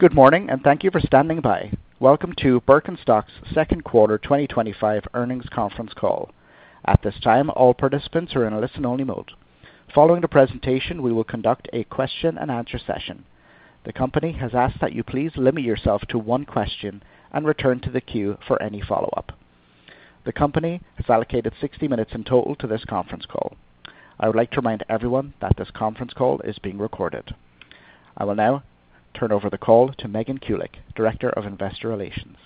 Good morning, and thank you for standing by. Welcome to Birkenstock's second quarter 2025 earnings conference call. At this time, all participants are in a listen-only mode. Following the presentation, we will conduct a question-and-answer session. The company has asked that you please limit yourself to one question and return to the queue for any follow-up. The company has allocated 60 minutes in total to this conference call. I would like to remind everyone that this conference call is being recorded. I will now turn over the call to Megan Kulick, Director of Investor Relations.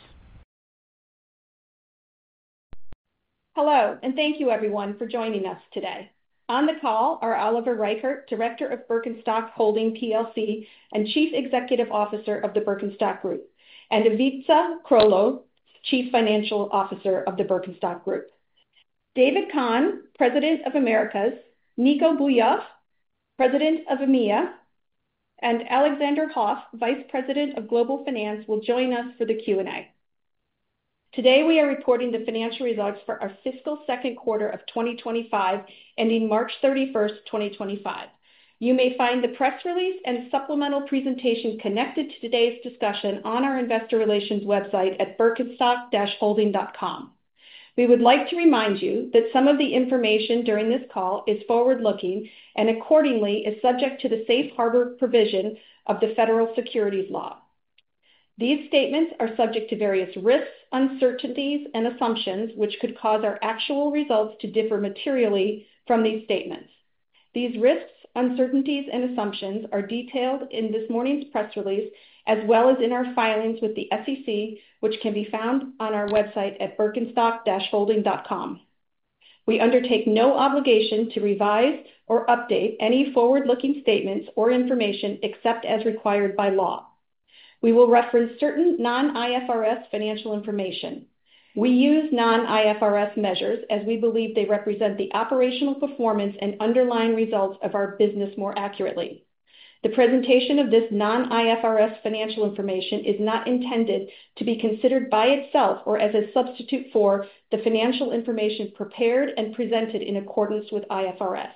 Hello, and thank you, everyone, for joining us today. On the call are Oliver Reichert, Director of Birkenstock Holding PLC and Chief Executive Officer of the Birkenstock Group, and Ivica Krolo, Chief Financial Officer of the Birkenstock Group. David Kahan, President of Americas, Nico Bouyakhf, President of EMEA, and Alexander Hoff, Vice President of Global Finance, will join us for the Q&A. Today, we are reporting the financial results for our fiscal second quarter of 2025 ending March 31, 2025. You may find the press release and supplemental presentation connected to today's discussion on our Investor Relations website at birkenstock-holding.com. We would like to remind you that some of the information during this call is forward-looking and, accordingly, is subject to the safe harbor provision of the federal securities law. These statements are subject to various risks, uncertainties, and assumptions, which could cause our actual results to differ materially from these statements. These risks, uncertainties, and assumptions are detailed in this morning's press release, as well as in our filings with the SEC, which can be found on our website at birkenstock-holding.com. We undertake no obligation to revise or update any forward-looking statements or information except as required by law. We will reference certain non-IFRS financial information. We use non-IFRS measures as we believe they represent the operational performance and underlying results of our business more accurately. The presentation of this non-IFRS financial information is not intended to be considered by itself or as a substitute for the financial information prepared and presented in accordance with IFRS.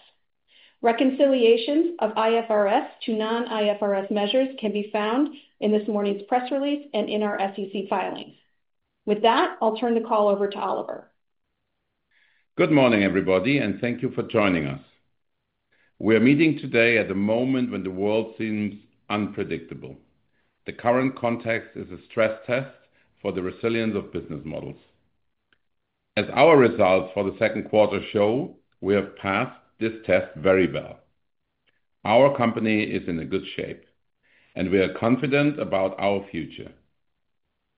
Reconciliations of IFRS to non-IFRS measures can be found in this morning's press release and in our SEC filings. With that, I'll turn the call over to Oliver. Good morning, everybody, and thank you for joining us. We are meeting today at a moment when the world seems unpredictable. The current context is a stress test for the resilience of business models. As our results for the second quarter show, we have passed this test very well. Our company is in good shape, and we are confident about our future.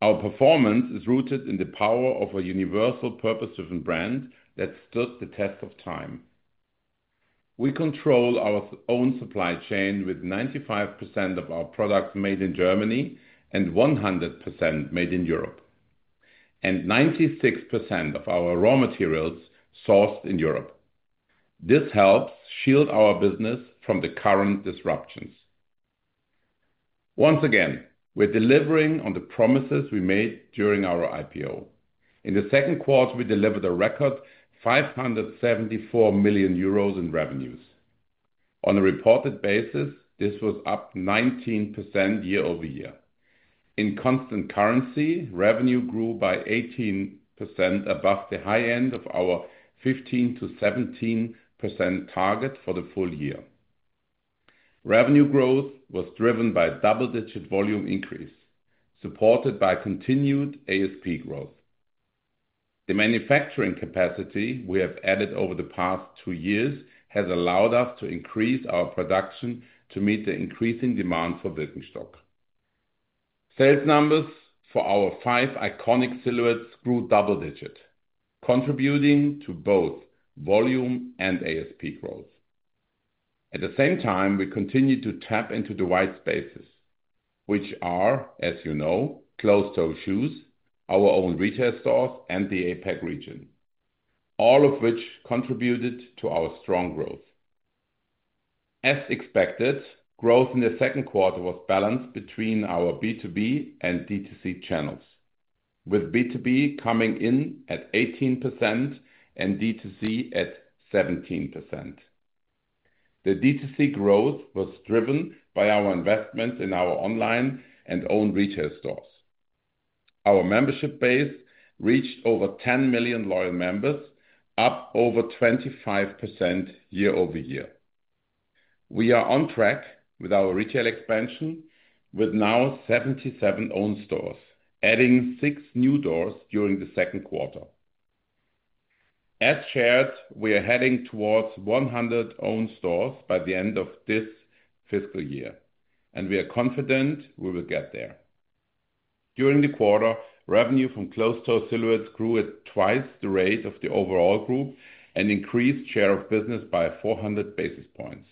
Our performance is rooted in the power of a universal, purpose-driven brand that stood the test of time. We control our own supply chain with 95% of our products made in Germany and 100% made in Europe, and 96% of our raw materials sourced in Europe. This helps shield our business from the current disruptions. Once again, we're delivering on the promises we made during our IPO. In the second quarter, we delivered a record 574 million euros in revenues. On a reported basis, this was up 19% year-over-year. In constant currency, revenue grew by 18% above the high end of our 15%-17% target for the full year. Revenue growth was driven by a double-digit volume increase, supported by continued ASP growth. The manufacturing capacity we have added over the past two years has allowed us to increase our production to meet the increasing demand for Birkenstock. Sales numbers for our five iconic silhouettes grew double-digit, contributing to both volume and ASP growth. At the same time, we continue to tap into the white spaces, which are, as you know, Klaus Baumann, our own retail stores, and the APAC region, all of which contributed to our strong growth. As expected, growth in the second quarter was balanced between our B2B and D2C channels, with B2B coming in at 18% and D2C at 17%. The D2C growth was driven by our investments in our online and own retail stores. Our membership base reached over 10 million loyal members, up over 25% year-over-year. We are on track with our retail expansion, with now 77 owned stores, adding six new doors during the second quarter. As shared, we are heading towards 100 owned stores by the end of this fiscal year, and we are confident we will get there. During the quarter, revenue from Klaus Baumann grew at twice the rate of the overall group and increased share of business by 400 basis points.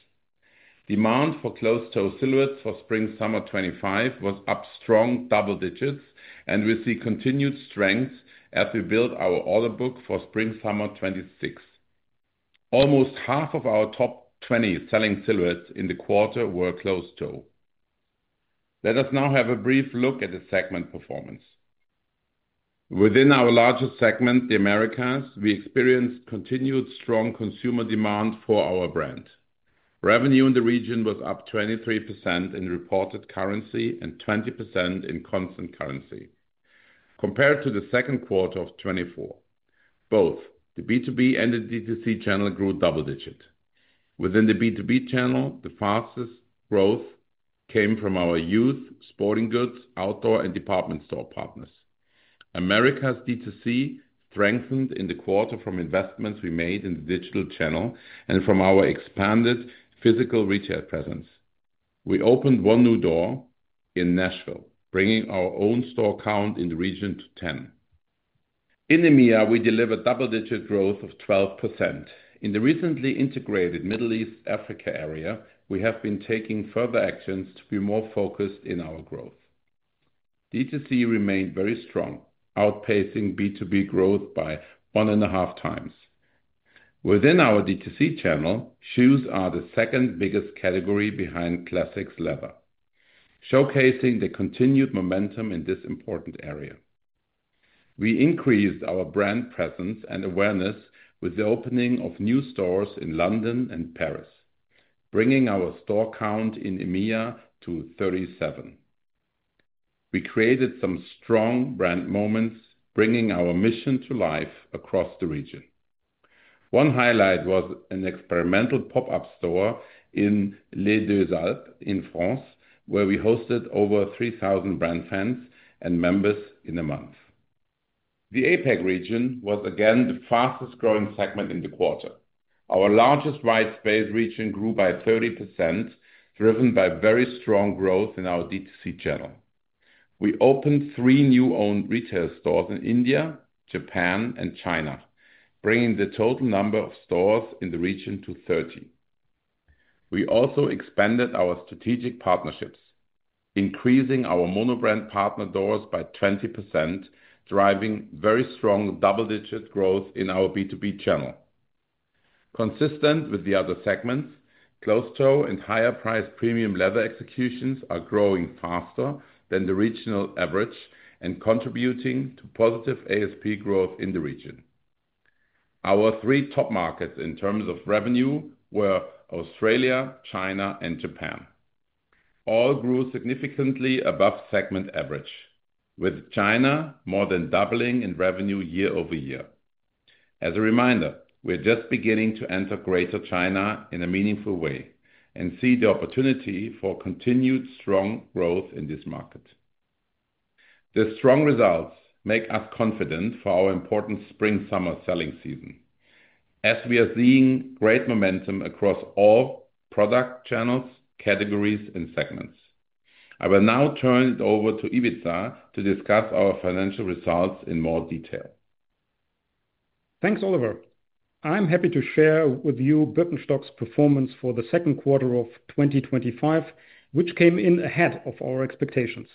Demand for Klaus Baumann for spring/summer 2025 was up strong double digits, and we see continued strength as we build our order book for spring/summer 2026. Almost half of our top 20 selling silhouettes in the quarter were Klaus Baumann. Let us now have a brief look at the segment performance. Within our largest segment, the Americas, we experienced continued strong consumer demand for our brand. Revenue in the region was up 23% in reported currency and 20% in constant currency compared to the second quarter of 2024. Both the B2B and the D2C channel grew double-digit. Within the B2B channel, the fastest growth came from our youth, sporting goods, outdoor, and department store partners. Americas D2C strengthened in the quarter from investments we made in the digital channel and from our expanded physical retail presence. We opened one new door in Nashville, bringing our own store count in the region to 10. In EMEA, we delivered double-digit growth of 12%. In the recently integrated Middle East/Africa area, we have been taking further actions to be more focused in our growth. D2C remained very strong, outpacing B2B growth by one and a half times. Within our D2C channel, shoes are the second biggest category behind classic leather, showcasing the continued momentum in this important area. We increased our brand presence and awareness with the opening of new stores in London and Paris, bringing our store count in EMEA to 37. We created some strong brand moments, bringing our mission to life across the region. One highlight was an experimental pop-up store in Les Deux Alpes in France, where we hosted over 3,000 brand fans and members in a month. The APAC region was again the fastest growing segment in the quarter. Our largest white space region grew by 30%, driven by very strong growth in our D2C channel. We opened three new owned retail stores in India, Japan, and China, bringing the total number of stores in the region to 30. We also expanded our strategic partnerships, increasing our monobrand partner doors by 20%, driving very strong double-digit growth in our B2B channel. Consistent with the other segments, Klaus Baumann and higher-priced premium leather executions are growing faster than the regional average and contributing to positive ASP growth in the region. Our three top markets in terms of revenue were Australia, China, and Japan. All grew significantly above segment average, with China more than doubling in revenue year-over-year. As a reminder, we are just beginning to enter Greater China in a meaningful way and see the opportunity for continued strong growth in this market. The strong results make us confident for our important spring/summer selling season, as we are seeing great momentum across all product channels, categories, and segments. I will now turn it over to Ivica to discuss our financial results in more detail. Thanks, Oliver. I'm happy to share with you Birkenstock's performance for the second quarter of 2025, which came in ahead of our expectations.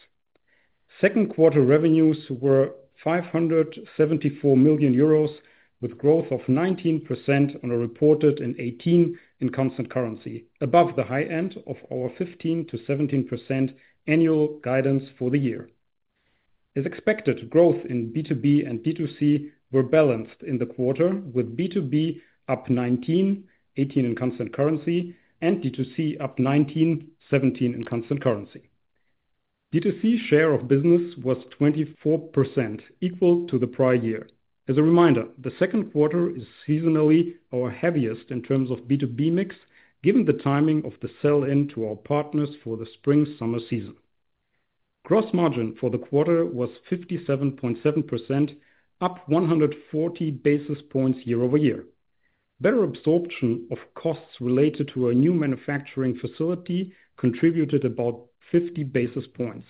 Second quarter revenues were 574 million euros, with growth of 19% on a reported and 18% in constant currency, above the high end of our 15%-17% annual guidance for the year. As expected, growth in B2B and D2C were balanced in the quarter, with B2B up 19%, 18% in constant currency, and D2C up 19%, 17% in constant currency. D2C share of business was 24%, equal to the prior year. As a reminder, the second quarter is seasonally our heaviest in terms of B2B mix, given the timing of the sell-in to our partners for the spring/summer season. Gross margin for the quarter was 57.7%, up 140 basis points year-over-year. Better absorption of costs related to a new manufacturing facility contributed about 50 basis points.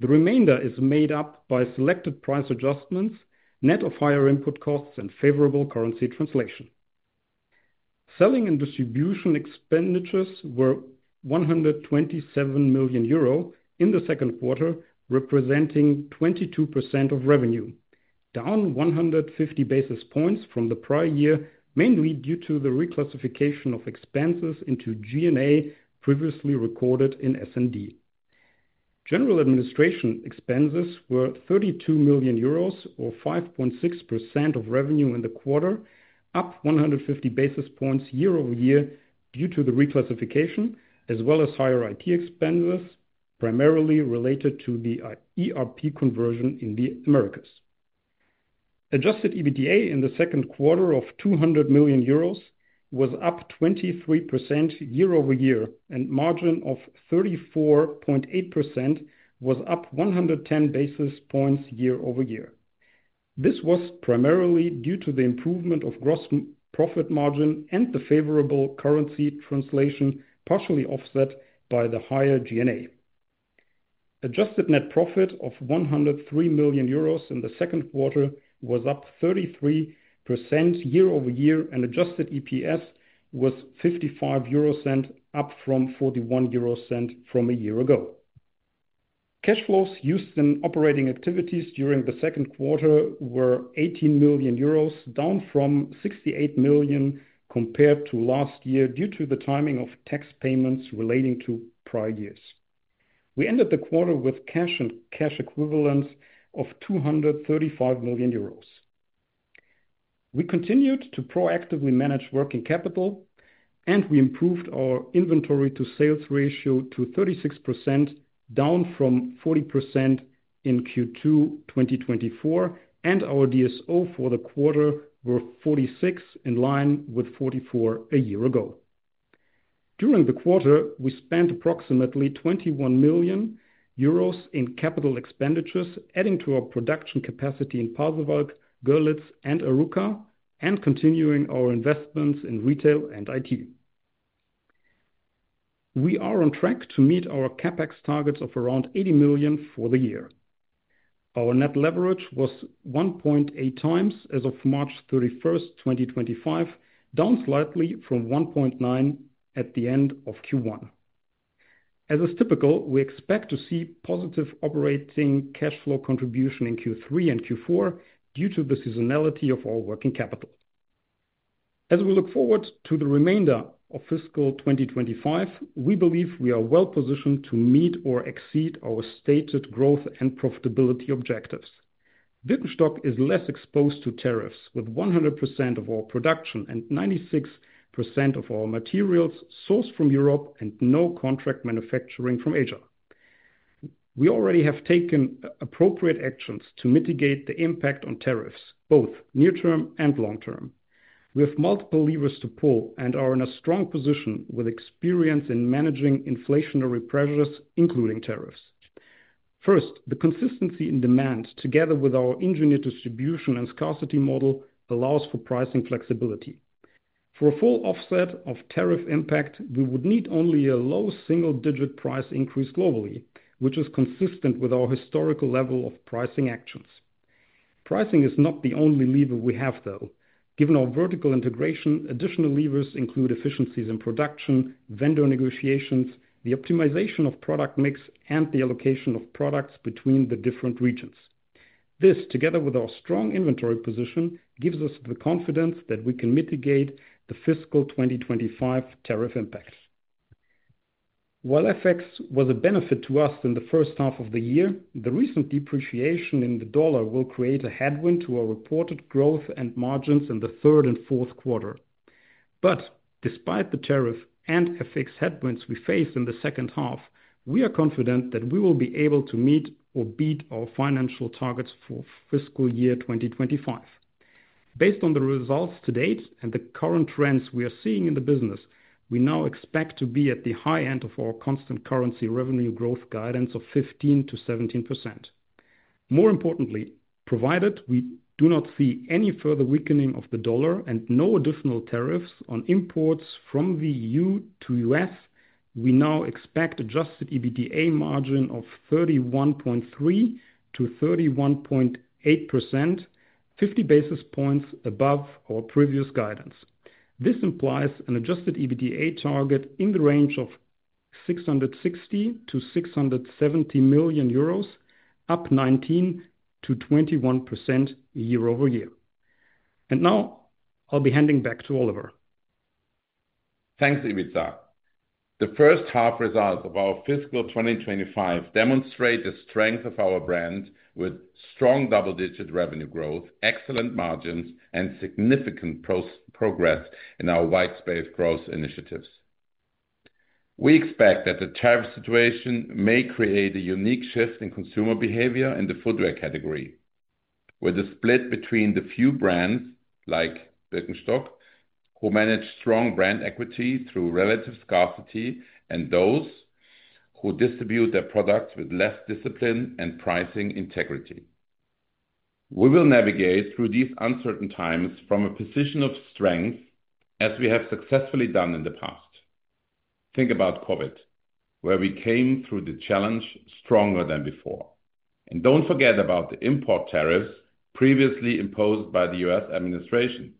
The remainder is made up by selected price adjustments, net of higher input costs, and favorable currency translation. Selling and distribution expenditures were 127 million euro in the second quarter, representing 22% of revenue, down 150 basis points from the prior year, mainly due to the reclassification of expenses into G&A previously recorded in S&D. General administration expenses were 32 million euros, or 5.6% of revenue in the quarter, up 150 basis points year-over-year due to the reclassification, as well as higher IT expenses primarily related to the ERP conversion in the Americas. Adjusted EBITDA in the second quarter of 200 million euros was up 23% year-over-year, and margin of 34.8% was up 110 basis points year-over-year. This was primarily due to the improvement of gross profit margin and the favorable currency translation, partially offset by the higher G&A. Adjusted net profit of 103 million euros in the second quarter was up 33% year-over-year, and adjusted EPS was 0.55, up from 0.41 from a year ago. Cash flows used in operating activities during the second quarter were 18 million euros, down from 68 million compared to last year due to the timing of tax payments relating to prior years. We ended the quarter with cash and cash equivalents of 235 million euros. We continued to proactively manage working capital, and we improved our inventory-to-sales ratio to 36%, down from 40% in Q2 2024, and our DSO for the quarter was 46%, in line with 44% a year ago. During the quarter, we spent approximately 21 million euros in capital expenditures, adding to our production capacity in Palseberg, Görlitz, and Aruka, and continuing our investments in retail and IT. We are on track to meet our CapEx targets of around 80 million for the year. Our net leverage was 1.8 times as of March 31, 2025, down slightly from 1.9 at the end of Q1. As is typical, we expect to see positive operating cash flow contribution in Q3 and Q4 due to the seasonality of our working capital. As we look forward to the remainder of fiscal 2025, we believe we are well positioned to meet or exceed our stated growth and profitability objectives. Birkenstock is less exposed to tariffs, with 100% of our production and 96% of our materials sourced from Europe and no contract manufacturing from Asia. We already have taken appropriate actions to mitigate the impact on tariffs, both near-term and long-term. We have multiple levers to pull and are in a strong position with experience in managing inflationary pressures, including tariffs. First, the consistency in demand, together with our ingenious distribution and scarcity model, allows for pricing flexibility. For a full offset of tariff impact, we would need only a low single-digit price increase globally, which is consistent with our historical level of pricing actions. Pricing is not the only lever we have, though. Given our vertical integration, additional levers include efficiencies in production, vendor negotiations, the optimization of product mix, and the allocation of products between the different regions. This, together with our strong inventory position, gives us the confidence that we can mitigate the fiscal 2025 tariff impact. While FX was a benefit to us in the first half of the year, the recent depreciation in the dollar will create a headwind to our reported growth and margins in the third and fourth quarter. Despite the tariff and FX headwinds we face in the second half, we are confident that we will be able to meet or beat our financial targets for fiscal year 2025. Based on the results to date and the current trends we are seeing in the business, we now expect to be at the high end of our constant currency revenue growth guidance of 15%-17%. More importantly, provided we do not see any further weakening of the dollar and no additional tariffs on imports from the EU to the U.S., we now expect adjusted EBITDA margin of 31.3%-31.8%, 50 basis points above our previous guidance. This implies an adjusted EBITDA target in the range of 660 million-670 million euros, up 19%-21% year-over-year. Now I'll be handing back to Oliver. Thanks, Ivica. The first half results of our fiscal 2025 demonstrate the strength of our brand with strong double-digit revenue growth, excellent margins, and significant progress in our white space growth initiatives. We expect that the tariff situation may create a unique shift in consumer behavior in the footwear category, with a split between the few brands like Birkenstock, who manage strong brand equity through relative scarcity, and those who distribute their products with less discipline and pricing integrity. We will navigate through these uncertain times from a position of strength, as we have successfully done in the past. Think about COVID, where we came through the challenge stronger than before. Do not forget about the import tariffs previously imposed by the U.S. administration,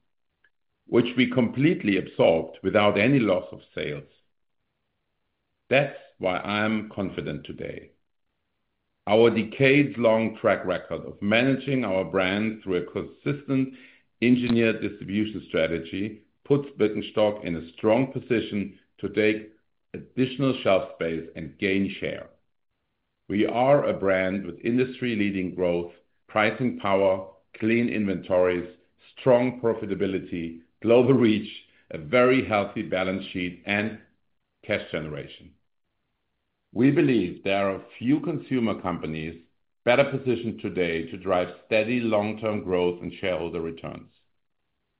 which we completely absorbed without any loss of sales. That is why I am confident today. Our decades-long track record of managing our brand through a consistent ingenious distribution strategy puts Birkenstock in a strong position to take additional shelf space and gain share. We are a brand with industry-leading growth, pricing power, clean inventories, strong profitability, global reach, a very healthy balance sheet, and cash generation. We believe there are a few consumer companies better positioned today to drive steady long-term growth and shareholder returns.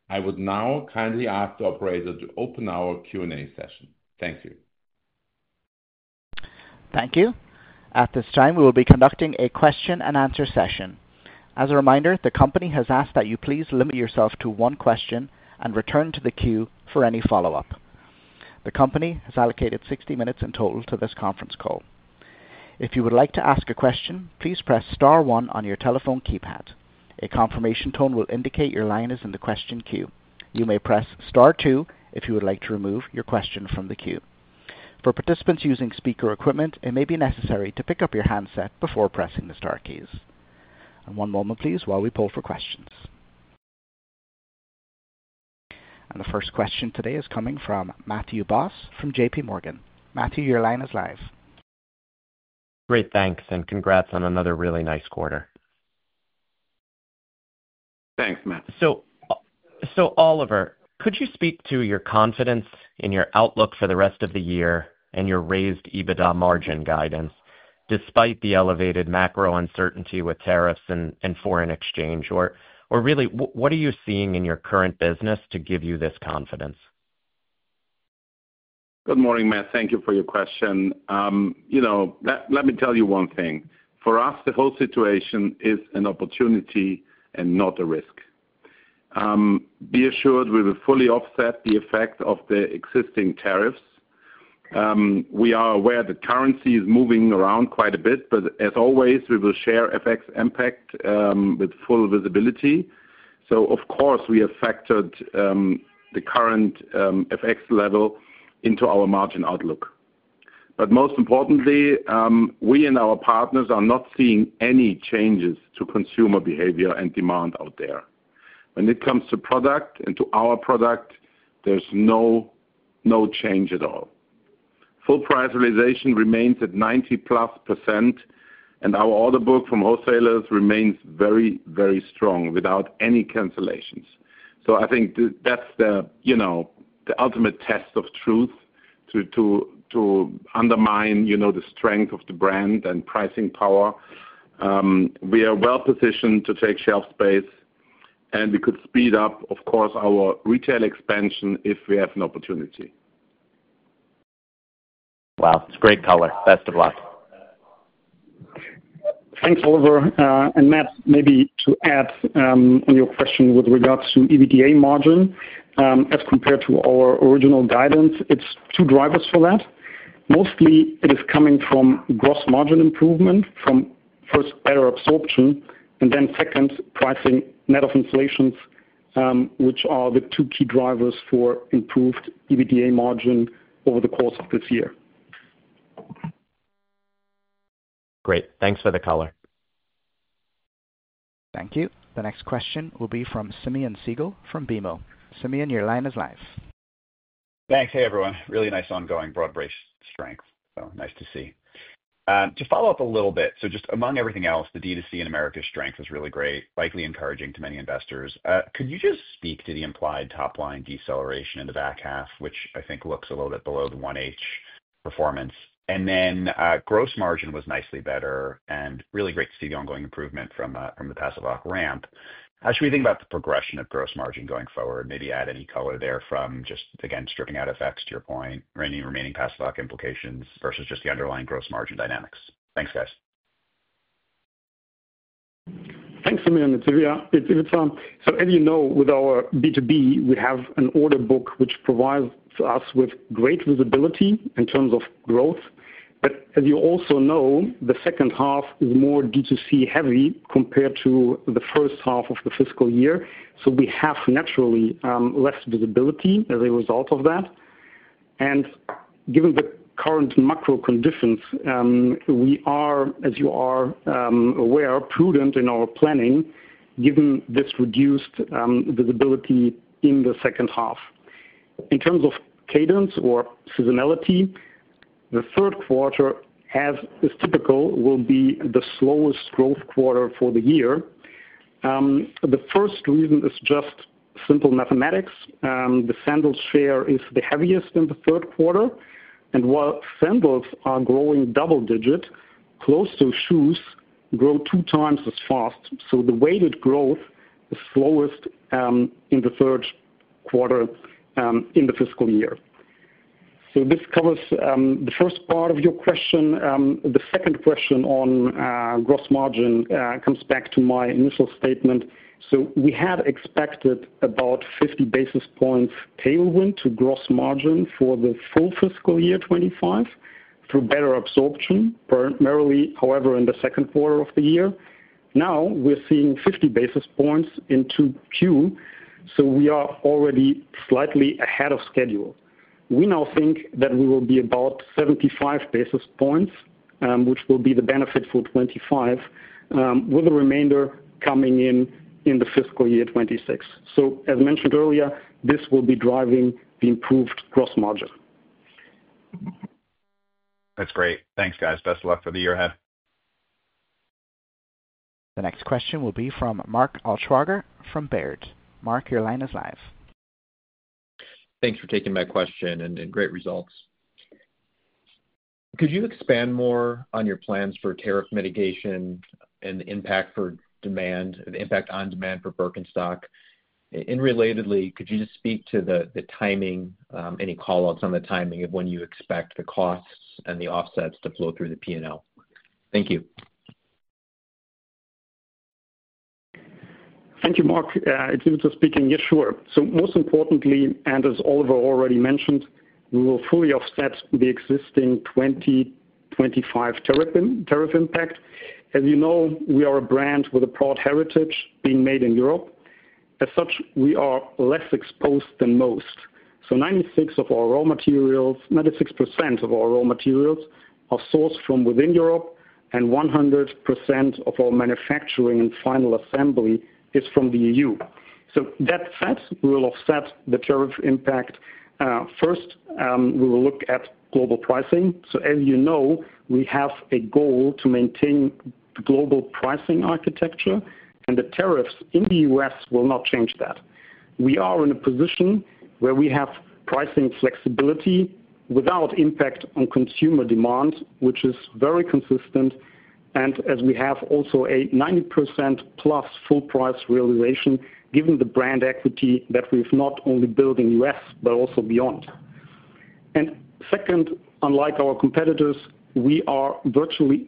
I would now kindly ask the operator to open our Q&A session. Thank you. Thank you. At this time, we will be conducting a question-and-answer session. As a reminder, the company has asked that you please limit yourself to one question and return to the queue for any follow-up. The company has allocated 60 minutes in total to this conference call. If you would like to ask a question, please press star one on your telephone keypad. A confirmation tone will indicate your line is in the question queue. You may press star two if you would like to remove your question from the queue. For participants using speaker equipment, it may be necessary to pick up your handset before pressing the Star keys. One moment, please, while we pull for questions. The first question today is coming from Matthew Boss from JPMorgan. Matthew, your line is live. Great. Thanks. Congrats on another really nice quarter. Thanks, Matt. Oliver, could you speak to your confidence in your outlook for the rest of the year and your raised EBITDA margin guidance, despite the elevated macro uncertainty with tariffs and foreign exchange? Really, what are you seeing in your current business to give you this confidence? Good morning, Matt. Thank you for your question. Let me tell you one thing. For us, the whole situation is an opportunity and not a risk. Be assured we will fully offset the effect of the existing tariffs. We are aware the currency is moving around quite a bit, but as always, we will share FX impact with full visibility. Of course, we have factored the current FX level into our margin outlook. Most importantly, we and our partners are not seeing any changes to consumer behavior and demand out there. When it comes to product and to our product, there's no change at all. Full price realization remains at 90+%, and our order book from wholesalers remains very, very strong without any cancellations. I think that's the ultimate test of truth to undermine the strength of the brand and pricing power. We are well positioned to take shelf space, and we could speed up, of course, our retail expansion if we have an opportunity. Wow. It's great color. Best of luck. Thanks, Oliver. Matt, maybe to add on your question with regards to EBITDA margin, as compared to our original guidance, it's two drivers for that. Mostly, it is coming from gross margin improvement, from first, better absorption, and then second, pricing net of inflations, which are the two key drivers for improved EBITDA margin over the course of this year. Great. Thanks for the color. Thank you. The next question will be from Simeon Siegel from BMO. Simeon, your line is live. Thanks. Hey, everyone. Really nice ongoing broad-based strength. Nice to see. To follow up a little bit, just among everything else, the DTC in Americas strength is really great, likely encouraging to many investors. Could you just speak to the implied top-line deceleration in the back half, which I think looks a little bit below the 1H performance? Gross margin was nicely better, and really great to see the ongoing improvement from the Pasewalk ramp. How should we think about the progression of gross margin going forward? Maybe add any color there from just, again, stripping out FX, to your point, any remaining Pasewalk implications versus just the underlying gross margin dynamics. Thanks, guys. Thanks, Simeon and Simea. As you know, with our B2B, we have an order book which provides us with great visibility in terms of growth. As you also know, the second half is more DTC-heavy compared to the first half of the fiscal year. We have naturally less visibility as a result of that. Given the current macro conditions, we are, as you are aware, prudent in our planning given this reduced visibility in the second half. In terms of cadence or seasonality, the third quarter, as is typical, will be the slowest growth quarter for the year. The first reason is just simple mathematics. The sandals share is the heaviest in the third quarter. While sandals are growing double-digit, closed-toe shoes grow two times as fast. The weighted growth is slowest in the third quarter in the fiscal year. This covers the first part of your question. The second question on gross margin comes back to my initial statement. We had expected about 50 basis points tailwind to gross margin for the full fiscal year 2025 through better absorption, primarily, however, in the second quarter of the year. Now we are seeing 50 basis points into Q, so we are already slightly ahead of schedule. We now think that we will be about 75 basis points, which will be the benefit for 2025, with the remainder coming in in the fiscal year 2026. As mentioned earlier, this will be driving the improved gross margin. That's great. Thanks, guys. Best of luck for the year ahead. The next question will be from Mark Altschwager from Baird. Mark, your line is live. Thanks for taking my question and great results. Could you expand more on your plans for tariff mitigation and the impact on demand for Birkenstock? Relatedly, could you just speak to the timing, any callouts on the timing of when you expect the costs and the offsets to flow through the P&L? Thank you. Thank you, Mark. It's Ivica speaking. Yes, sure. Most importantly, and as Oliver already mentioned, we will fully offset the existing 2025 tariff impact. As you know, we are a brand with a broad heritage being made in Europe. As such, we are less exposed than most. Ninety-six percent of our raw materials, 96% of our raw materials are sourced from within Europe, and 100% of our manufacturing and final assembly is from the EU. That said, we will offset the tariff impact. First, we will look at global pricing. As you know, we have a goal to maintain global pricing architecture, and the tariffs in the U.S. will not change that. We are in a position where we have pricing flexibility without impact on consumer demand, which is very consistent. As we have also a 90%+ full price realization given the brand equity that we've not only built in the U.S., but also beyond. Second, unlike our competitors, we are vertically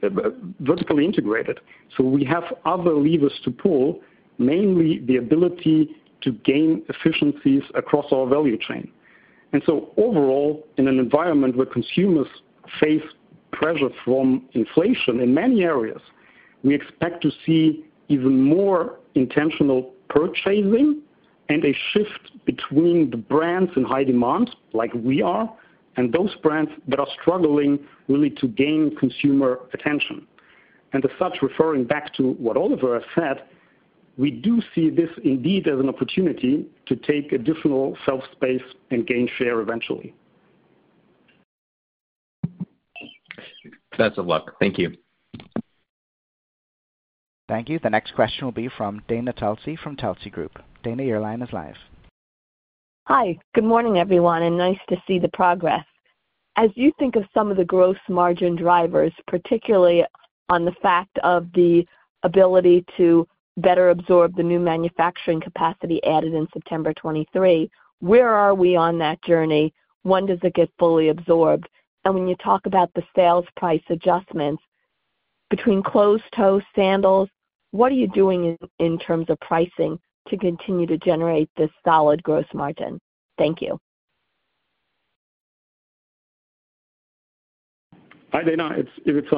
integrated. We have other levers to pull, mainly the ability to gain efficiencies across our value chain. Overall, in an environment where consumers face pressure from inflation in many areas, we expect to see even more intentional purchasing and a shift between the brands in high demand, like we are, and those brands that are struggling really to gain consumer attention. As such, referring back to what Oliver has said, we do see this indeed as an opportunity to take additional shelf space and gain share eventually. Best of luck. Thank you. Thank you. The next question will be from Dana Telsey from Telsey Group. Dana, your line is live. Hi. Good morning, everyone, and nice to see the progress. As you think of some of the gross margin drivers, particularly on the fact of the ability to better absorb the new manufacturing capacity added in September 2023, where are we on that journey? When does it get fully absorbed? When you talk about the sales price adjustments between closed-toe sandals, what are you doing in terms of pricing to continue to generate this solid gross margin? Thank you. Hi, Dana. It's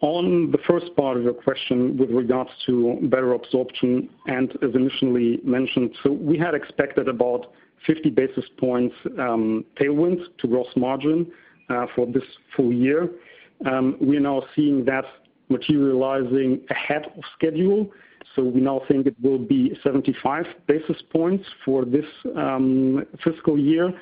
on the first part of your question with regards to better absorption. As initially mentioned, we had expected about 50 basis points tailwind to gross margin for this full year. We are now seeing that materializing ahead of schedule. We now think it will be 75 basis points for this fiscal year.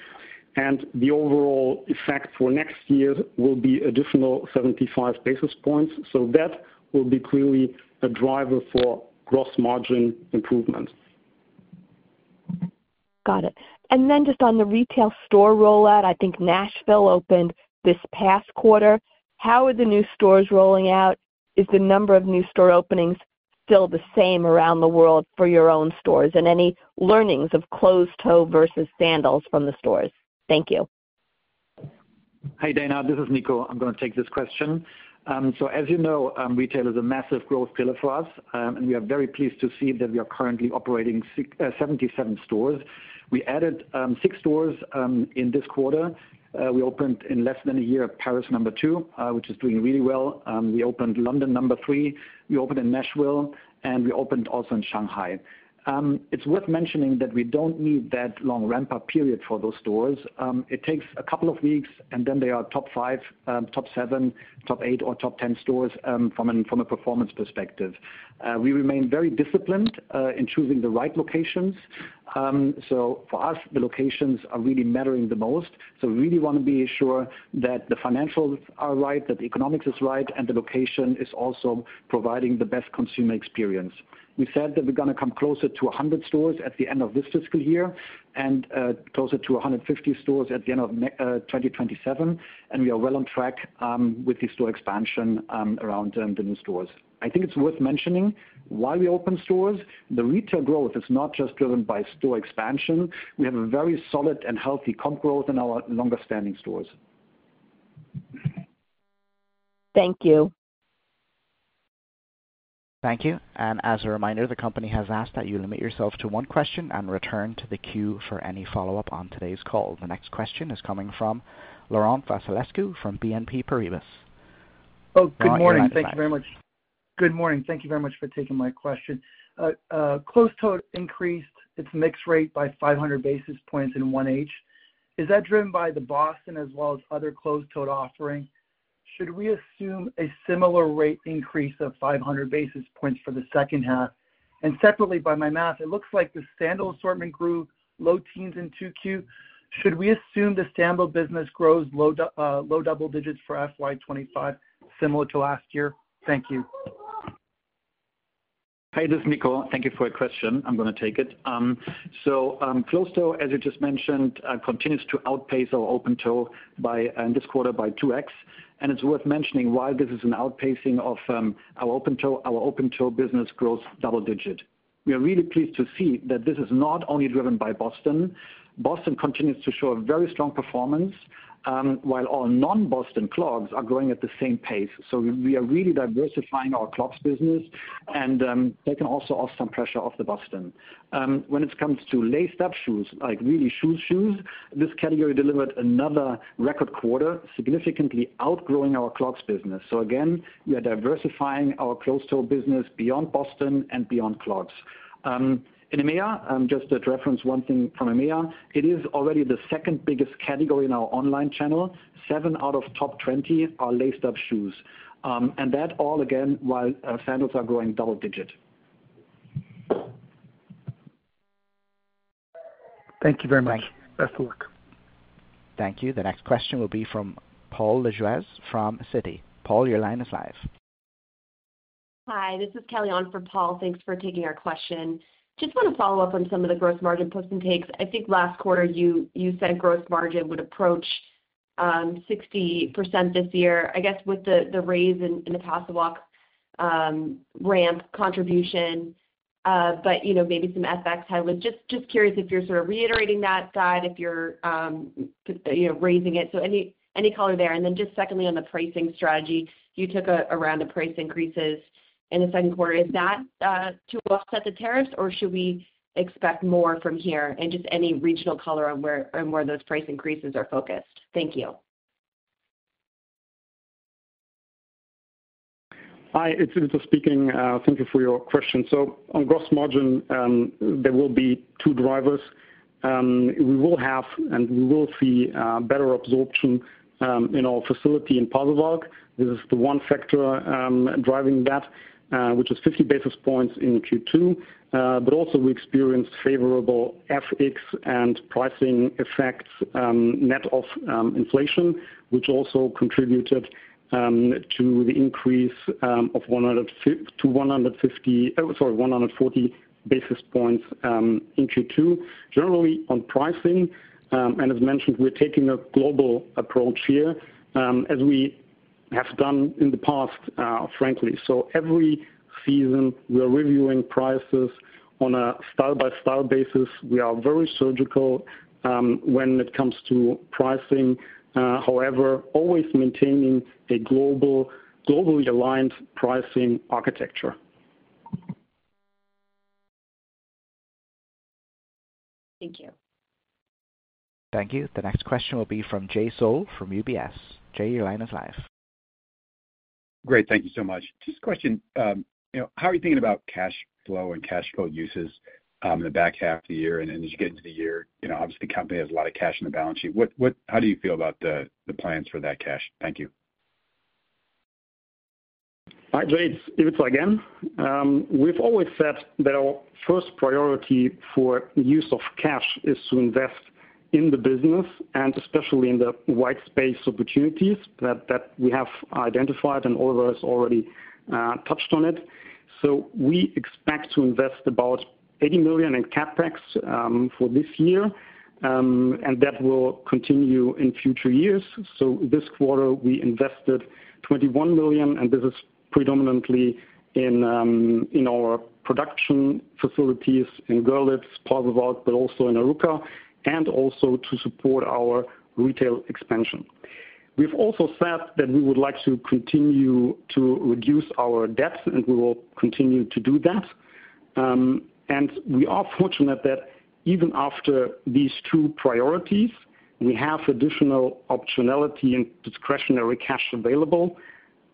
The overall effect for next year will be additional 75 basis points. That will be clearly a driver for gross margin improvement. Got it. And then just on the retail store rollout, I think Nashville opened this past quarter. How are the new stores rolling out? Is the number of new store openings still the same around the world for your own stores? And any learnings of closed-toe versus sandals from the stores? Thank you. Hi, Dana. This is Nico. I'm going to take this question. As you know, retail is a massive growth pillar for us, and we are very pleased to see that we are currently operating 77 stores. We added six stores in this quarter. We opened in less than a year Paris No. 2, which is doing really well. We opened London No. 3. We opened in Nashville, and we opened also in Shanghai. It's worth mentioning that we don't need that long ramp-up period for those stores. It takes a couple of weeks, and then they are top five, top seven, top eight, or top ten stores from a performance perspective. We remain very disciplined in choosing the right locations. For us, the locations are really mattering the most. We really want to be sure that the financials are right, that the economics is right, and the location is also providing the best consumer experience. We said that we're going to come closer to 100 stores at the end of this fiscal year and closer to 150 stores at the end of 2027. We are well on track with the store expansion around the new stores. I think it's worth mentioning while we open stores, the retail growth is not just driven by store expansion. We have a very solid and healthy comp growth in our longer-standing stores. Thank you. Thank you. As a reminder, the company has asked that you limit yourself to one question and return to the queue for any follow-up on today's call. The next question is coming from Laurent Vasilescu from BNP Paribas. Oh, good morning. Thank you very much. Good morning. Thank you very much for taking my question. Closed-toe increased its mixed rate by 500 basis points in 1H. Is that driven by the Boston as well as other closed-toe offering? Should we assume a similar rate increase of 500 basis points for the second half? Separately, by my math, it looks like the sandal assortment grew low teens in Q2. Should we assume the sandal business grows low double digits for FY2025 similar to last year? Thank you. Hi, this is Nico. Thank you for your question. I'm going to take it. Closed-toe, as you just mentioned, continues to outpace our open-toe this quarter by 2X. It is worth mentioning while this is an outpacing of our open-toe, our open-toe business grows double-digit. We are really pleased to see that this is not only driven by Boston. Boston continues to show a very strong performance while all non-Boston clogs are growing at the same pace. We are really diversifying our clogs business, and that can also take some pressure off the Boston. When it comes to lace-up shoes, like really shoe shoes, this category delivered another record quarter, significantly outgrowing our clogs business. We are diversifying our closed-toe business beyond Boston and beyond clogs. EMEA, just to reference one thing from EMEA, it is already the second biggest category in our online channel. Seven out of top 20 are lace-up shoes. That all again while sandals are growing double digit. Thank you very much. Best of luck. Thank you. The next question will be from Paul Lajoie from Citigroup. Paul, your line is live. Hi, this is Kelly on for Paul. Thanks for taking our question. Just want to follow up on some of the gross margin post intakes. I think last quarter you said gross margin would approach 60% this year, I guess, with the raise in the Passivac ramp contribution, but maybe some FX hybrid. Just curious if you're sort of reiterating that guide, if you're raising it. Any color there. Secondly, on the pricing strategy, you took around the price increases in the second quarter. Is that to offset the tariffs, or should we expect more from here? Any regional color on where those price increases are focused. Thank you. Hi, it's Ivica speaking. Thank you for your question. On gross margin, there will be two drivers. We will have and we will see better absorption in our facility in Pasewalk. This is the one factor driving that, which is 50 basis points in Q2. We also experienced favorable FX and pricing effects net of inflation, which also contributed to the increase of 140 basis points in Q2. Generally on pricing, and as mentioned, we're taking a global approach here as we have done in the past, frankly. Every season we're reviewing prices on a style by style basis. We are very surgical when it comes to pricing, however, always maintaining a globally aligned pricing architecture. Thank you. Thank you. The next question will be from Jay Sole from UBS. Jay, your line is live. Great. Thank you so much. Just a question. How are you thinking about cash flow and cash flow uses in the back half of the year? As you get into the year, obviously, the company has a lot of cash in the balance sheet. How do you feel about the plans for that cash? Thank you. Hi, Jay. It's Ivica again. We've always said that our first priority for use of cash is to invest in the business and especially in the white space opportunities that we have identified, and Oliver has already touched on it. We expect to invest about 80 million in CapEx for this year, and that will continue in future years. This quarter, we invested 21 million, and this is predominantly in our production facilities in Görlitz, Pasewalk, but also in Aruka, and also to support our retail expansion. We've also said that we would like to continue to reduce our debt, and we will continue to do that. We are fortunate that even after these two priorities, we have additional optionality and discretionary cash available.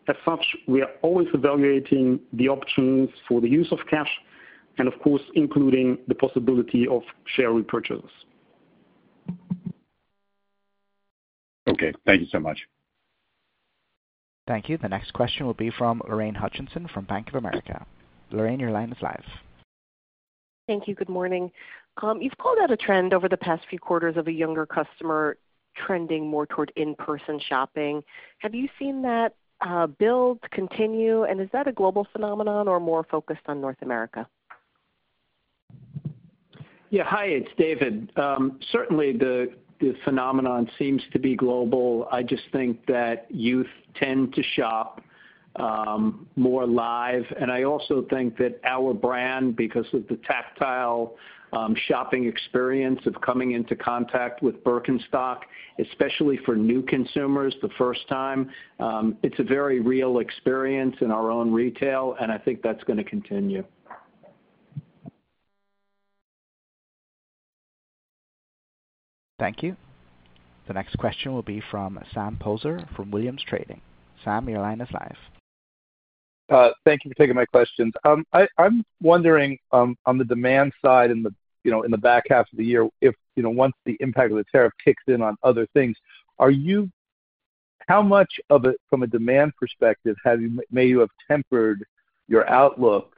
As such, we are always evaluating the options for the use of cash and, of course, including the possibility of share repurchases. Okay. Thank you so much. Thank you. The next question will be from Lorraine Hutchinson from Bank of America. Lorraine, your line is live. Thank you. Good morning. You've called out a trend over the past few quarters of a younger customer trending more toward in-person shopping. Have you seen that build continue? Is that a global phenomenon or more focused on North America? Yeah. Hi, it's David. Certainly, the phenomenon seems to be global. I just think that youth tend to shop more live. I also think that our brand, because of the tactile shopping experience of coming into contact with Birkenstock, especially for new consumers the first time, it's a very real experience in our own retail, and I think that's going to continue. Thank you. The next question will be from Sam Poser from Williams Trading. Sam, your line is live. Thank you for taking my questions. I'm wondering on the demand side in the back half of the year, once the impact of the tariff kicks in on other things, how much of it from a demand perspective may you have tempered your outlook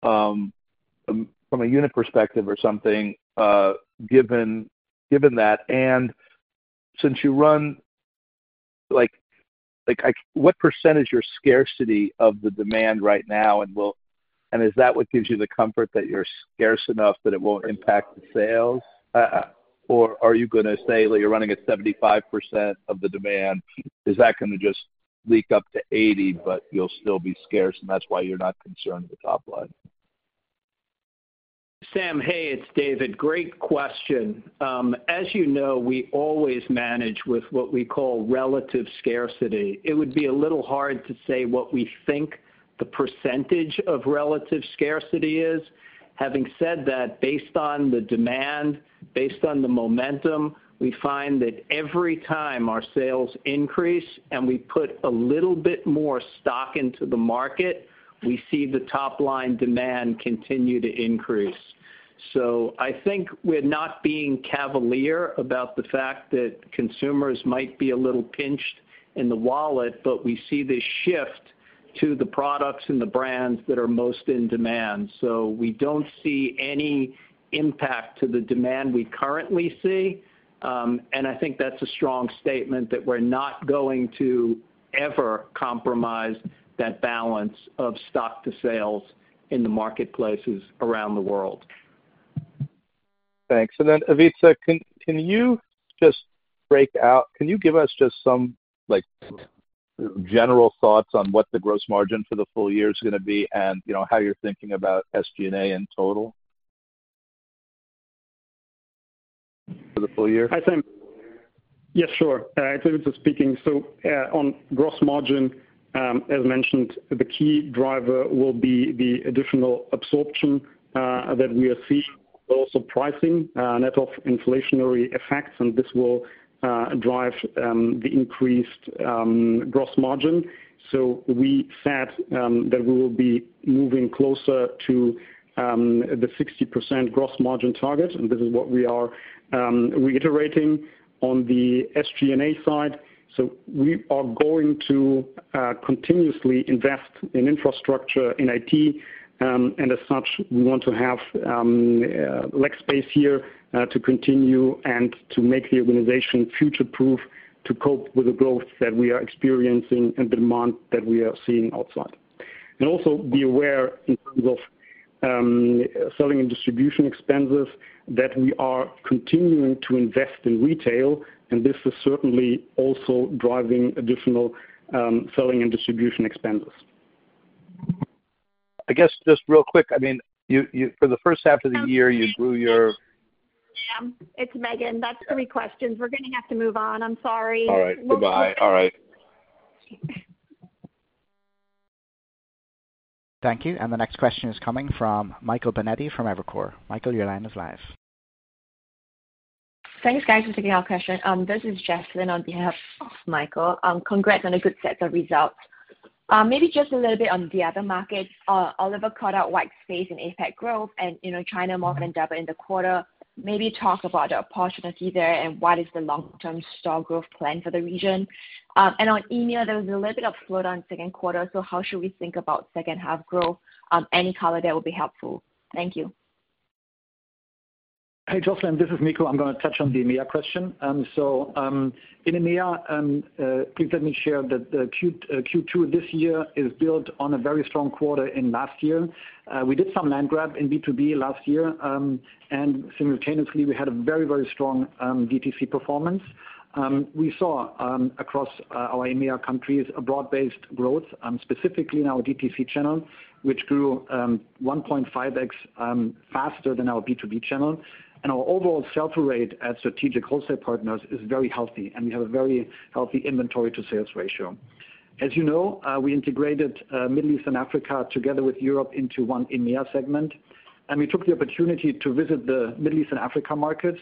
from a unit perspective or something given that? Since you run, what % is your scarcity of the demand right now? Is that what gives you the comfort that you're scarce enough that it won't impact the sales? Are you going to say that you're running at 75% of the demand? Is that going to just leak up to 80%, but you'll still be scarce, and that's why you're not concerned with the top line? Sam, hey, it's David. Great question. As you know, we always manage with what we call relative scarcity. It would be a little hard to say what we think the percentage of relative scarcity is. Having said that, based on the demand, based on the momentum, we find that every time our sales increase and we put a little bit more stock into the market, we see the top line demand continue to increase. I think we're not being cavalier about the fact that consumers might be a little pinched in the wallet, but we see this shift to the products and the brands that are most in demand. We don't see any impact to the demand we currently see. I think that's a strong statement that we're not going to ever compromise that balance of stock to sales in the marketplaces around the world. Thanks. Ivica, can you just break out? Can you give us just some general thoughts on what the gross margin for the full year is going to be and how you're thinking about SG&A in total for the full year? I think, yes, sure. It's Ivica speaking. On gross margin, as mentioned, the key driver will be the additional absorption that we are seeing, but also pricing, net of inflationary effects, and this will drive the increased gross margin. We said that we will be moving closer to the 60% gross margin target, and this is what we are reiterating. On the SG&A side, we are going to continuously invest in infrastructure, in IT, and as such, we want to have leg space here to continue and to make the organization future-proof to cope with the growth that we are experiencing and the demand that we are seeing outside. Also be aware in terms of selling and distribution expenses that we are continuing to invest in retail, and this is certainly also driving additional selling and distribution expenses. I guess just real quick, I mean, for the first half of the year, you grew your. Sam. It's Megan. That's three questions. We're going to have to move on. I'm sorry. All right. Bye-bye. All right. Thank you. The next question is coming from Michael Benetti from Evercore. Michael, your line is live. Thanks, guys, for taking our question. This is Jesalyn on behalf of Michael. Congrats on a good set of results. Maybe just a little bit on the other markets. Oliver called out white space in APAC growth and China more than doubled in the quarter. Maybe talk about the opportunity there and what is the long-term stock growth plan for the region. On EMEA, there was a little bit of slowdown second quarter. How should we think about second half growth? Any color there will be helpful. Thank you. Hi, Jocelyn. This is Nico. I'm going to touch on the EMEA question. In EMEA, please let me share that Q2 of this year is built on a very strong quarter in last year. We did some land grab in B2B last year, and simultaneously, we had a very, very strong DTC performance. We saw across our EMEA countries a broad-based growth, specifically in our DTC channel, which grew 1.5X faster than our B2B channel. Our overall sell-through rate at Strategic Wholesale Partners is very healthy, and we have a very healthy inventory-to-sales ratio. As you know, we integrated Middle East and Africa together with Europe into one EMEA segment. We took the opportunity to visit the Middle East and Africa markets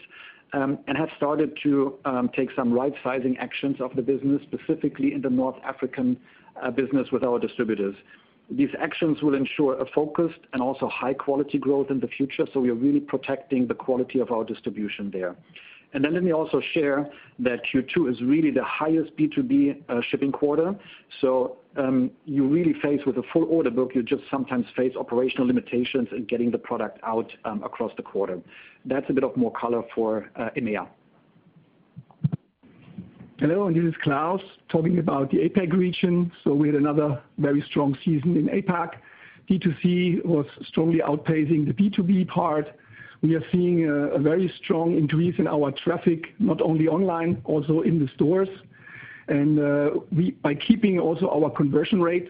and have started to take some right-sizing actions of the business, specifically in the North African business with our distributors. These actions will ensure a focused and also high-quality growth in the future. We are really protecting the quality of our distribution there. Let me also share that Q2 is really the highest B2B shipping quarter. You are really faced with a full order book, you just sometimes face operational limitations in getting the product out across the quarter. That is a bit more color for EMEA. Hello, and this is Klaus talking about the APAC region. We had another very strong season in APAC. D2C was strongly outpacing the B2B part. We are seeing a very strong increase in our traffic, not only online, also in the stores. By keeping also our conversion rate,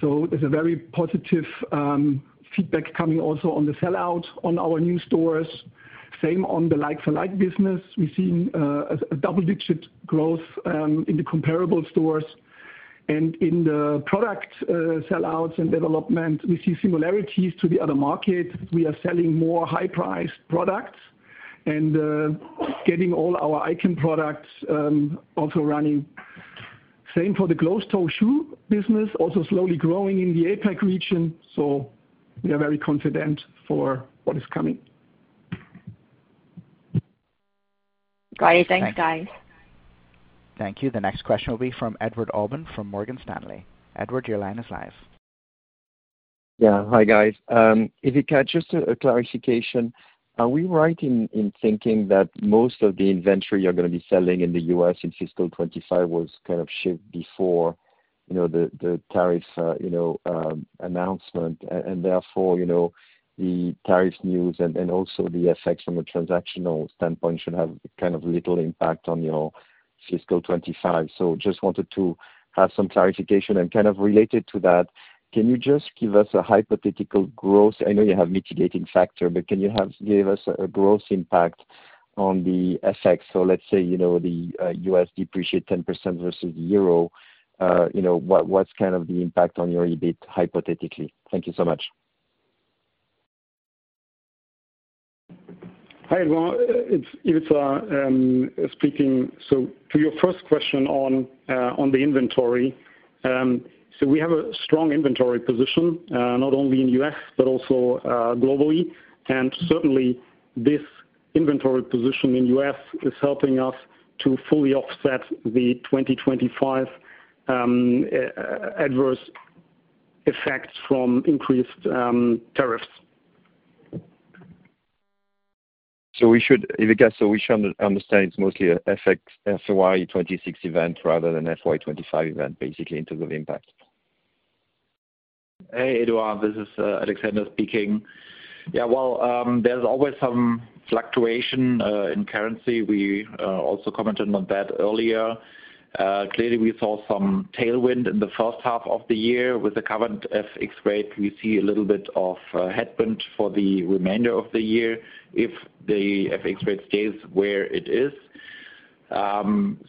there is a very positive feedback coming also on the sellout on our new stores. Same on the like-for-like business. We are seeing a double-digit growth in the comparable stores. In the product sellouts and development, we see similarities to the other markets. We are selling more high-priced products and getting all our icon products also running. Same for the closed-toe shoe business, also slowly growing in the APAC region. We are very confident for what is coming. Great. Thanks, guys. Thank you. The next question will be from Edouard Aubin from Morgan Stanley. Edouard, your line is live. Yeah. Hi, guys. Ivica, just a clarification. Are we right in thinking that most of the inventory you're going to be selling in the U.S. in fiscal 2025 was kind of shipped before the tariff announcement? Therefore, the tariff news and also the effects from a transactional standpoint should have kind of little impact on your fiscal 2025. Just wanted to have some clarification. Kind of related to that, can you just give us a hypothetical growth? I know you have mitigating factor, but can you give us a gross impact on the effects? Let's say the U.S. depreciates 10% versus the euro. What's kind of the impact on your EBIT, hypothetically? Thank you so much. Hi, everyone. It's Ivica speaking. To your first question on the inventory, we have a strong inventory position, not only in the U.S., but also globally. Certainly, this inventory position in the U.S. is helping us to fully offset the 2025 adverse effects from increased tariffs. Ivica, so we should understand it's mostly an FY26 event rather than an FY25 event, basically, in terms of impact. Hey, Edouard. This is Alexander speaking. Yeah. There's always some fluctuation in currency. We also commented on that earlier. Clearly, we saw some tailwind in the first half of the year. With the current FX rate, we see a little bit of headwind for the remainder of the year if the FX rate stays where it is.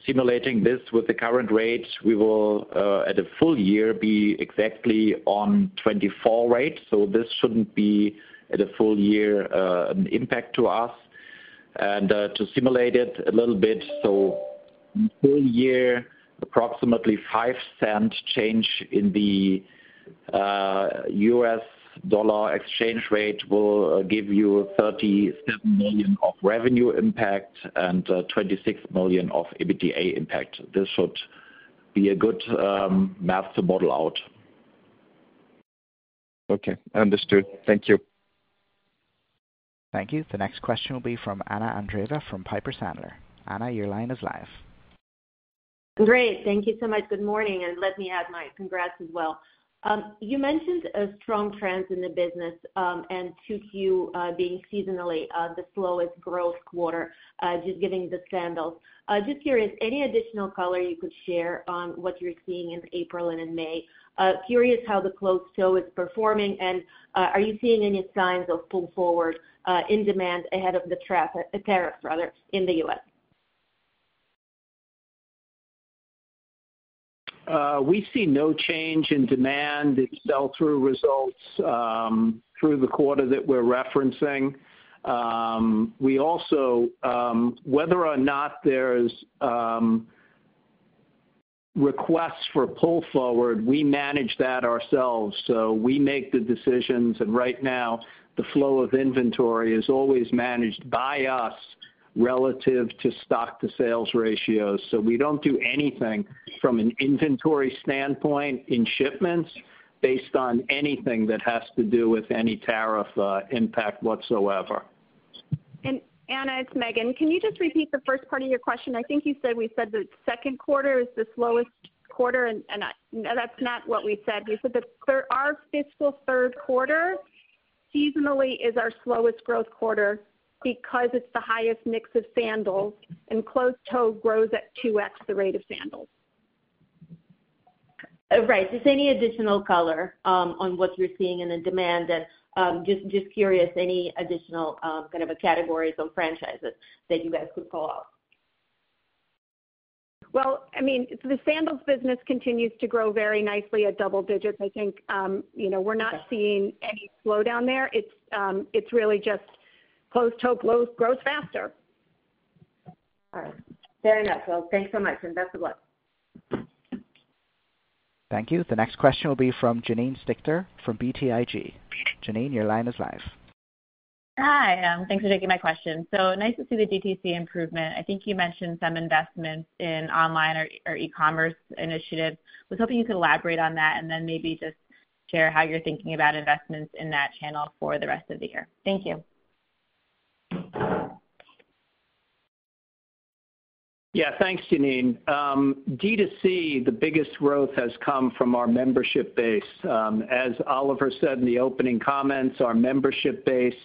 Simulating this with the current rate, we will, at a full year, be exactly on 2024 rate. This should not be, at a full year, an impact to us. To simulate it a little bit, full year, approximately $0.05 change in the US dollar exchange rate will give you 37 million of revenue impact and 26 million of EBITDA impact. This should be a good math to model out. Okay. Understood. Thank you. Thank you. The next question will be from Anna Andreeva from Piper Sandler. Anna, your line is live. Great. Thank you so much. Good morning. Let me add my congrats as well. You mentioned a strong trend in the business and Q2 being seasonally the slowest growth quarter, just given the sandals. Just curious, any additional color you could share on what you're seeing in April and in May? Curious how the closed-toe is performing. Are you seeing any signs of pull forward in demand ahead of the tariffs, rather, in the U.S.? We see no change in demand, its sell-through results through the quarter that we're referencing. Whether or not there's requests for pull forward, we manage that ourselves. We make the decisions. Right now, the flow of inventory is always managed by us relative to stock-to-sales ratios. We do not do anything from an inventory standpoint in shipments based on anything that has to do with any tariff impact whatsoever. Anna, it's Megan. Can you just repeat the first part of your question? I think you said we said the second quarter is the slowest quarter, and that's not what we said. You said that our fiscal third quarter seasonally is our slowest growth quarter because it's the highest mix of sandals, and closed-toe grows at 2X the rate of sandals. Right. Just any additional color on what you're seeing in the demand? Just curious, any additional kind of categories or franchises that you guys could call out? I mean, the sandals business continues to grow very nicely at double digits. I think we're not seeing any slowdown there. It's really just closed-toe grows faster. All right. Fair enough. Thanks so much. Best of luck. Thank you. The next question will be from Janine Stichter from BTIG. Janine, your line is live. Hi. Thanks for taking my question. So nice to see the DTC improvement. I think you mentioned some investments in online or e-commerce initiatives. I was hoping you could elaborate on that and then maybe just share how you're thinking about investments in that channel for the rest of the year. Thank you. Yeah. Thanks, Janine. DTC, the biggest growth has come from our membership base. As Oliver said in the opening comments, our membership base,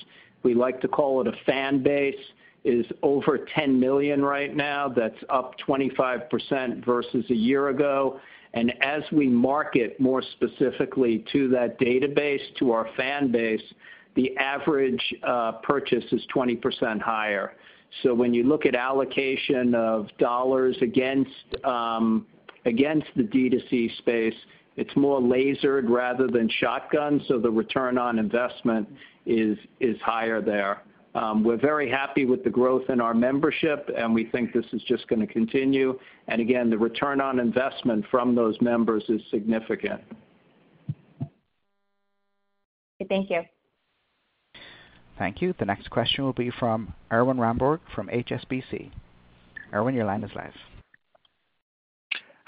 we like to call it a fan base, is over 10 million right now. That's up 25% versus a year ago. As we market more specifically to that database, to our fan base, the average purchase is 20% higher. When you look at allocation of dollars against the DTC space, it's more lasered rather than shotgun. The return on investment is higher there. We're very happy with the growth in our membership, and we think this is just going to continue. Again, the return on investment from those members is significant. Thank you. Thank you. The next question will be from Erwan Rambourg from HSBC. Erwan, your line is live.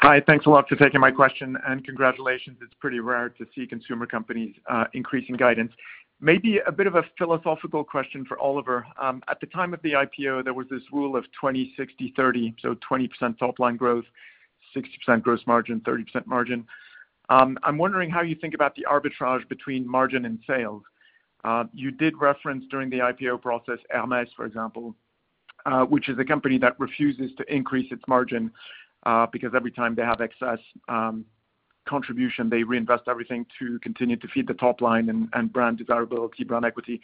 Hi. Thanks a lot for taking my question. Congratulations. It's pretty rare to see consumer companies increasing guidance. Maybe a bit of a philosophical question for Oliver. At the time of the IPO, there was this rule of 20, 60, 30. So 20% top-line growth, 60% gross margin, 30% margin. I'm wondering how you think about the arbitrage between margin and sales. You did reference during the IPO process Hermès, for example, which is a company that refuses to increase its margin because every time they have excess contribution, they reinvest everything to continue to feed the top line and brand desirability, brand equity.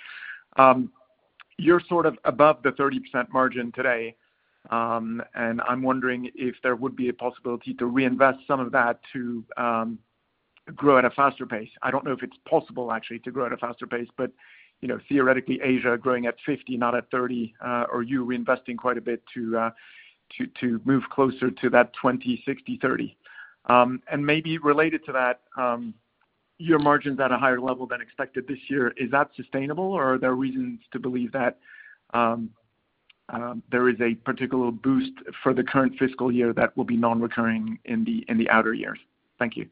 You're sort of above the 30% margin today. I'm wondering if there would be a possibility to reinvest some of that to grow at a faster pace. I don't know if it's possible, actually, to grow at a faster pace. Theoretically, Asia growing at 50, not at 30, or you reinvesting quite a bit to move closer to that 20, 60, 30. Maybe related to that, your margins at a higher level than expected this year, is that sustainable? Are there reasons to believe that there is a particular boost for the current fiscal year that will be non-recurring in the outer years? Thank you.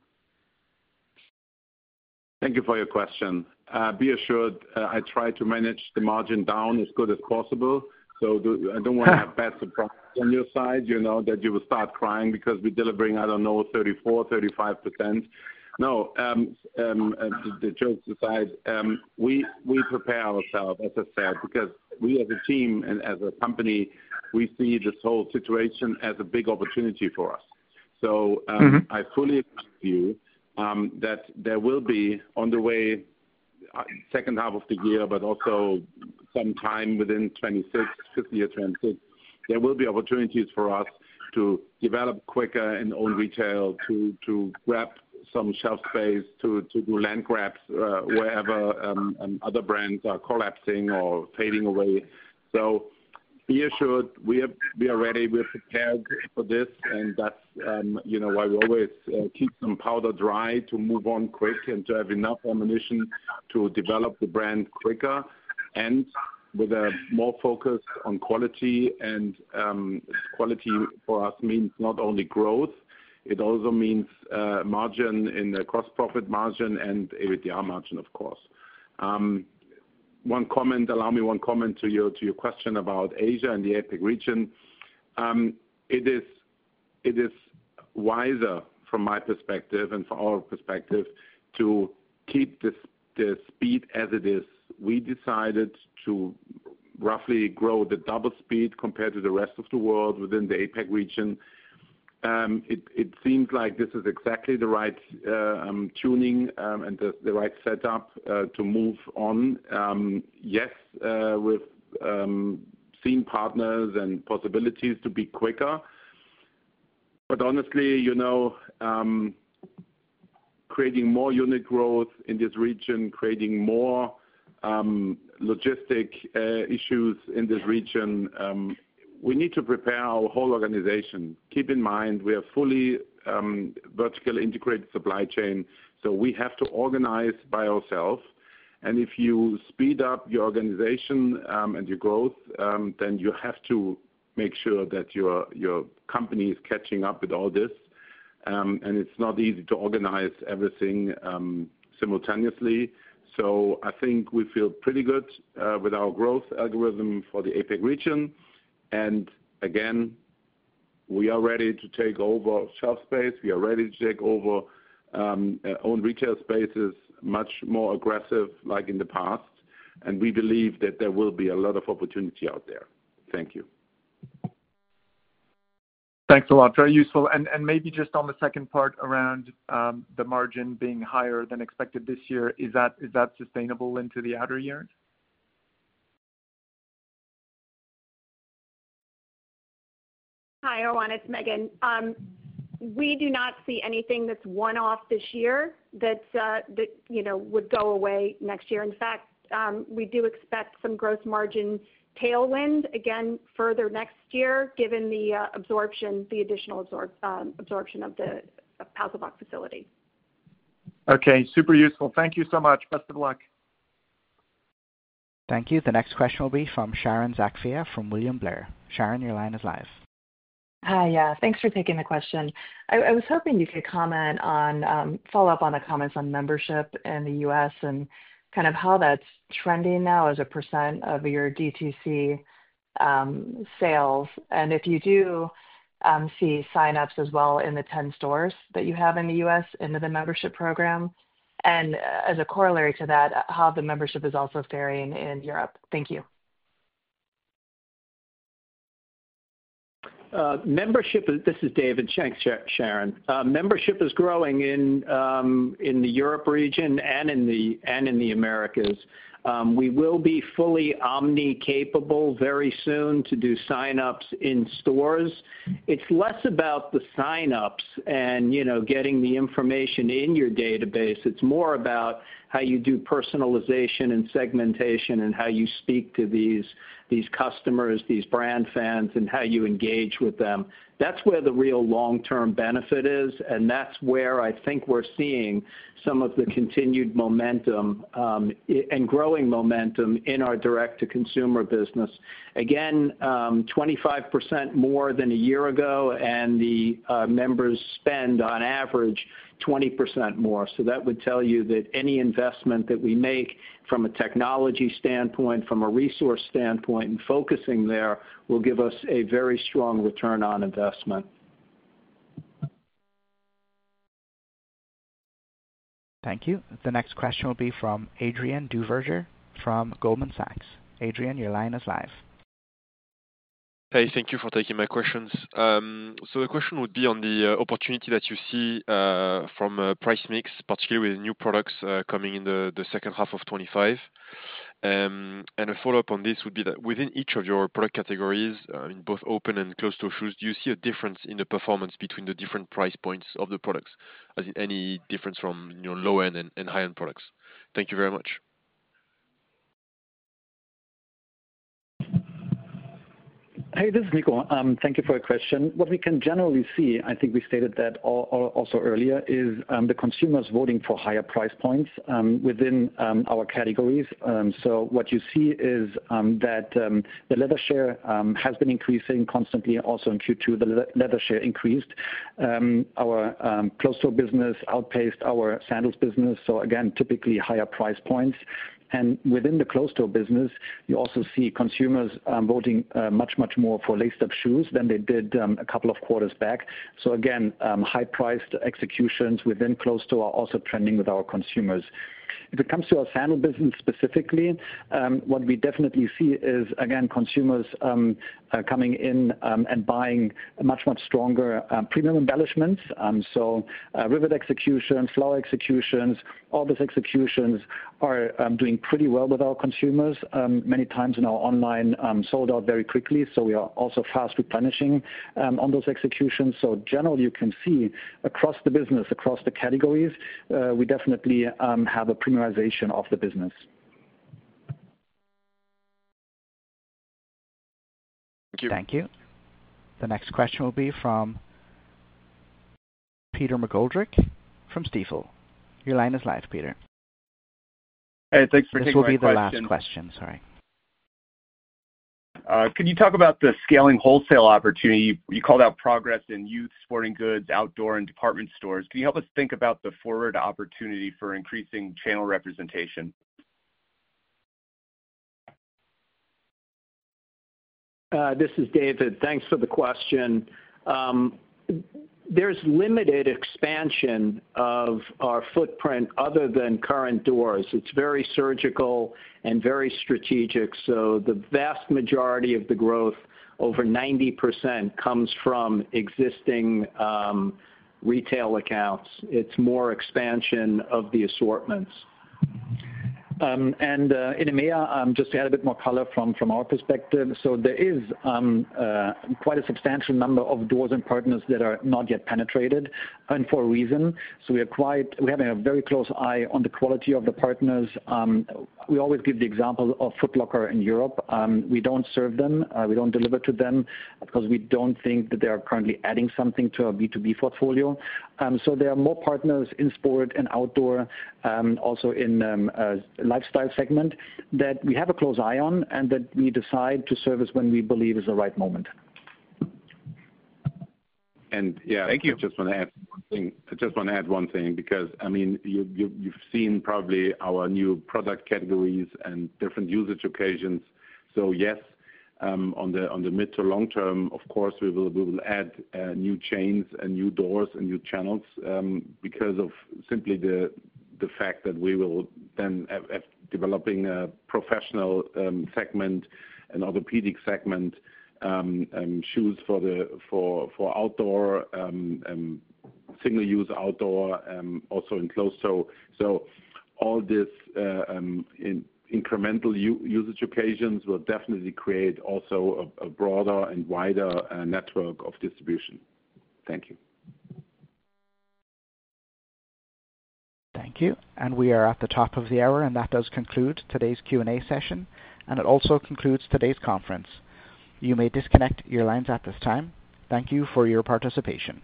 Thank you for your question. Be assured, I try to manage the margin down as good as possible. I do not want to have bad surprises on your side that you will start crying because we are delivering, I do not know, 34%, 35%. No, jokes aside, we prepare ourselves, as I said, because we as a team and as a company, we see this whole situation as a big opportunity for us. I fully acknowledge to you that there will be on the way second half of the year, but also sometime within 2026, fiscal year 2026, there will be opportunities for us to develop quicker in own retail, to grab some shelf space, to do land grabs wherever other brands are collapsing or fading away. Be assured, we are ready. We are prepared for this. That is why we always keep some powder dry to move on quick and to have enough ammunition to develop the brand quicker and with a more focus on quality. Quality for us means not only growth. It also means margin in the gross-profit margin and EBITDA margin, of course. One comment, allow me one comment to your question about Asia and the APAC region. It is wiser, from my perspective and from our perspective, to keep the speed as it is. We decided to roughly grow the double speed compared to the rest of the world within the APAC region. It seems like this is exactly the right tuning and the right setup to move on, yes, with seen partners and possibilities to be quicker. Honestly, creating more unit growth in this region, creating more logistic issues in this region, we need to prepare our whole organization. Keep in mind, we are fully vertically integrated supply chain. We have to organize by ourselves. If you speed up your organization and your growth, you have to make sure that your company is catching up with all this. It is not easy to organize everything simultaneously. I think we feel pretty good with our growth algorithm for the APAC region. Again, we are ready to take over shelf space. We are ready to take over own retail spaces much more aggressive like in the past. We believe that there will be a lot of opportunity out there. Thank you. Thanks a lot. Very useful. Maybe just on the second part around the margin being higher than expected this year, is that sustainable into the outer years? Hi, Erwan. It's Megan. We do not see anything that's one-off this year that would go away next year. In fact, we do expect some gross margin tailwind again further next year, given the absorption, the additional absorption of the Görlitz facility. Okay. Super useful. Thank you so much. Best of luck. Thank you. The next question will be from Sharon Zackfia from William Blair. Sharon, your line is live. Hi. Yeah. Thanks for taking the question. I was hoping you could comment on follow up on the comments on membership in the U.S. and kind of how that's trending now as a percent of your DTC sales. If you do see sign-ups as well in the 10 stores that you have in the U.S. into the membership program. As a corollary to that, how the membership is also faring in Europe. Thank you. Membership, this is David, thanks, Sharon. Membership is growing in the Europe region and in the Americas. We will be fully omni-capable very soon to do sign-ups in stores. It is less about the sign-ups and getting the information in your database. It is more about how you do personalization and segmentation and how you speak to these customers, these brand fans, and how you engage with them. That is where the real long-term benefit is. That is where I think we are seeing some of the continued momentum and growing momentum in our direct-to-consumer business. Again, 25% more than a year ago. The members spend on average 20% more. That would tell you that any investment that we make from a technology standpoint, from a resource standpoint, and focusing there will give us a very strong return on investment. Thank you. The next question will be from Adrien Duverger from Goldman Sachs. Adrien, your line is live. Hey. Thank you for taking my questions. The question would be on the opportunity that you see from a price mix, particularly with new products coming in the second half of 2025. A follow-up on this would be that within each of your product categories, in both open and closed-toe shoes, do you see a difference in the performance between the different price points of the products? As in any difference from low-end and high-end products. Thank you very much. Hey, this is Nicole. Thank you for your question. What we can generally see, I think we stated that also earlier, is the consumers voting for higher price points within our categories. What you see is that the leather share has been increasing constantly. Also in Q2, the leather share increased. Our closed-toe business outpaced our sandals business. Typically higher price points. Within the closed-toe business, you also see consumers voting much, much more for lace-up shoes than they did a couple of quarters back. High-priced executions within closed-toe are also trending with our consumers. If it comes to our sandal business specifically, what we definitely see is consumers coming in and buying much, much stronger premium embellishments. Rivet executions, flower executions, all those executions are doing pretty well with our consumers. Many times in our online sold out very quickly. We are also fast replenishing on those executions. Generally, you can see across the business, across the categories, we definitely have a premiumization of the business. Thank you. Thank you. The next question will be from Peter McGoldrick from Stifel. Your line is live, Peter. Hey. Thanks for taking the question. This will be the last question. Sorry. Can you talk about the scaling wholesale opportunity? You called out progress in youth sporting goods, outdoor, and department stores. Can you help us think about the forward opportunity for increasing channel representation? This is David. Thanks for the question. There is limited expansion of our footprint other than current doors. It is very surgical and very strategic. The vast majority of the growth, over 90%, comes from existing retail accounts. It is more expansion of the assortments. In EMEA, just to add a bit more color from our perspective, there is quite a substantial number of doors and partners that are not yet penetrated, and for a reason. We have a very close eye on the quality of the partners. We always give the example of Foot Locker in Europe. We do not serve them. We do not deliver to them because we do not think that they are currently adding something to our B2B portfolio. There are more partners in sport and outdoor, also in the lifestyle segment, that we have a close eye on and that we decide to service when we believe is the right moment. And yeah. Thank you. I just want to add one thing. I just want to add one thing because, I mean, you've seen probably our new product categories and different usage occasions. Yes, on the mid to long term, of course, we will add new chains and new doors and new channels because of simply the fact that we will then have developing a professional segment and orthopedic segment, shoes for outdoor, single-use outdoor, also in closed-toe. All these incremental usage occasions will definitely create also a broader and wider network of distribution. Thank you. Thank you. We are at the top of the hour. That does conclude today's Q&A session. It also concludes today's conference. You may disconnect your lines at this time. Thank you for your participation.